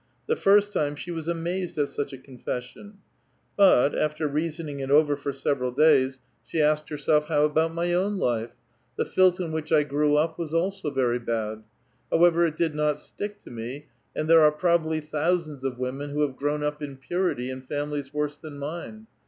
The first time she was amazed at such a confession ; but, after reasoning it over for several days, she asked her A VITAL QUESTION. 211 self: How about my own life? The filth in which I grew op was also very bad. However, it did not stick to me ; and t.bere are probably thousands of women who have grown up i.u purity in families worse than mine.